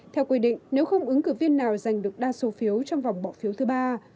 theo quy định nếu không ứng cử viên nào giành được đa số phiếu trong vòng bỏ phiếu thứ ba